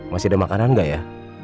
masih ada makanan nggak ya